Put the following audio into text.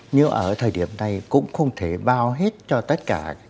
nhưng ở thời điểm này cũng không thể bao hết cho tất cả